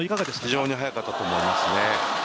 非常に早かったと思いますね。